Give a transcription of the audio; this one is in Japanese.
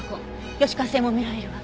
吉川線も見られるわ。